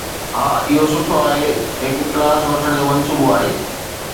ها، اهو سٺو آهي. هڪ ڪلاس وٺڻ جو منصوبو آهي؟